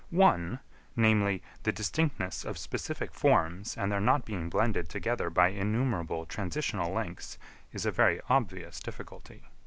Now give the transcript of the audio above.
One, namely, the distinctness of specific forms and their not being blended together by innumerable transitional links, is a very obvious difficulty.